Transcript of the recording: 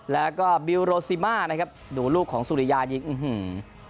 แล้วก็บิลโรซิมานะครับดูลูกของสุริยายิงอื้อหือ